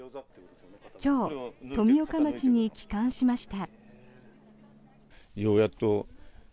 今日、富岡町に帰還しました。